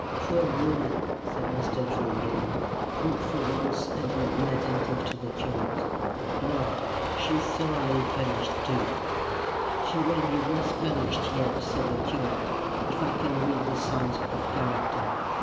"Poor woman!" said Mr. Drew again, who for once had been inattentive to the curate. "Well! she is sorely punished too." "She will be worse punished yet," said the curate, "if I can read the signs of character.